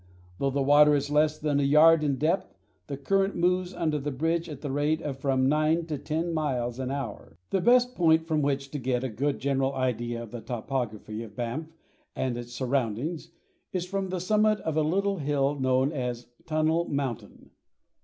Though the water is less than a yard in depth, the current moves under the bridge at the rate of from nine to ten miles an hour. The best point from which to get a good general idea of the topography of Banff and its surroundings is from the summit of a little hill known as Tunnel Mountain.